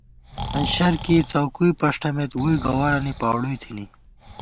ہنشر کېئی څؤکُوئی پݭٹَمېت ، ووئی گوَرَنی پاؤڑُوئی تھنی